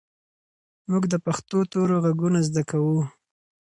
موږ د پښتو تورو غږونه زده کوو.